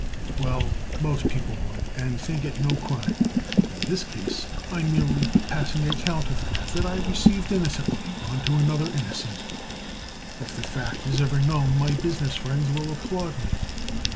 "Well, most people would, and think it no crime. In this case I'm merely passing a counterfeit, that I received innocently, on to another innocent. If the fact is ever known my business friends will applaud me.